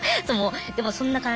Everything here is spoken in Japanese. でもそんな感じ。